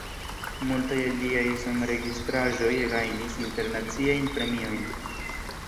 Multaj el liaj sonregistraĵoj gajnis internaciajn premiojn.